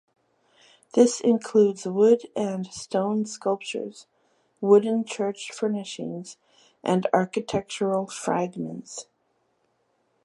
This includes wood and stone sculptures, wooden church furnishings and architectural fragments.